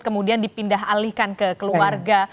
kemudian dipindah alihkan ke keluarga